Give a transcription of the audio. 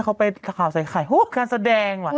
เขาไปข่าวใส่ไข่การแสดงว่ะ